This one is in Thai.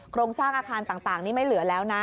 โครงสร้างอาคารต่างนี่ไม่เหลือแล้วนะ